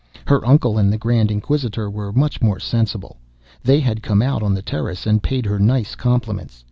Her uncle and the Grand Inquisitor were much more sensible. They had come out on the terrace, and paid her nice compliments.